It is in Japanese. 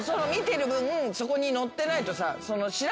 そこに載ってないとさ。